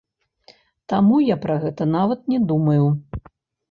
Таму я пра гэта нават не думаю.